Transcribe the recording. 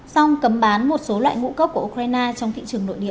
song cấm bán một số loại ngũ cốc của ukraine trong thị trường nội địa